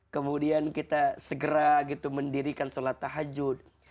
kemudian kita segera gitu mendirikan sholat tahajud